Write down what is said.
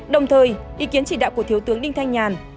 đồng thời ý kiến chỉ đạo của thiếu tướng đinh thanh nhàn